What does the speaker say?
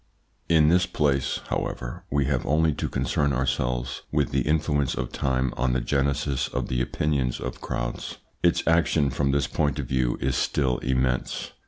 In this place, however, we have only to concern ourselves with the influence of time on the genesis of the opinions of crowds. Its action from this point of view is still immense.